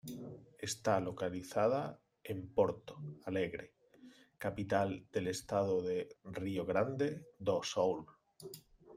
Está localizada en Porto Alegre, capital del estado del Rio Grande do Sul.